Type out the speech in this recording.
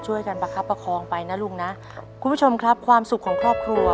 ช่วยกันประคับประคองไปนะลุงนะคุณผู้ชมครับความสุขของครอบครัว